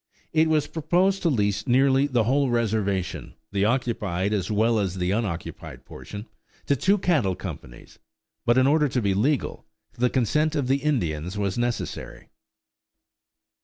It was proposed to lease nearly the whole reservation, the occupied as well as the unoccupied portion, to two cattle companies, but in order to be legal, the consent of the Indians was necessary.